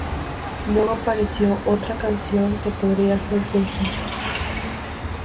Luego apareció otra canción que podría ser sencillo.